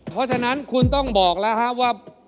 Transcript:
เพราะฉะนั้นคุณต้องบอกแล้วครับว่า